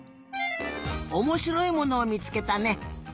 おもしろいものをみつけたね。